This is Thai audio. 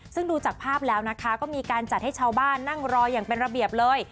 ซึ่งดูจากภาพแล้วนะคะก็มีการจัดให้ชาวบ้านนั่งรออย่างเป็นระเบียบเลย